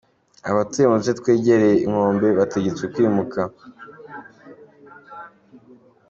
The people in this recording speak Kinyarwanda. Abatuye mu duce twegereye inkombe bategetswe kwimuka.